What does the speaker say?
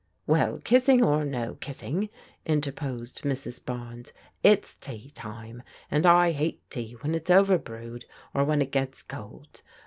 " Well, kissing or no kissing," interposed Mrs. Barnes, " it's tea time, and I hate tea when it's over brewed, or when it gets cold.